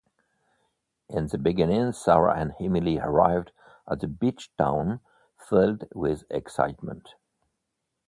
In the beginning, Sarah and Emily arrived at the beach town filled with excitement.